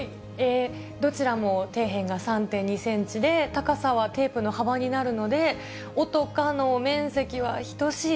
どちらも底辺が３．２センチで、高さはテープの幅になるので、おとかの面積は等しい。